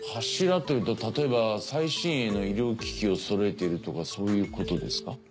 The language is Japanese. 柱っていうと例えば最新鋭の医療機器をそろえているとかそういうことですか？